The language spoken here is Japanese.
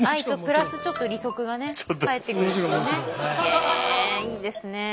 へえいいですね。